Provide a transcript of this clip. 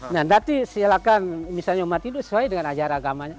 nah berarti misalnya umat hindu sesuai dengan ajaran agamanya